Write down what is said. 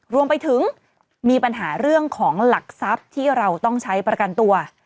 รวมไปถึงมีปัญหาเรื่องของหลักทรัพย์ที่เราต้องใช้ประกันตัว